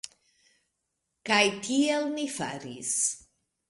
Kaj tiel ni faris.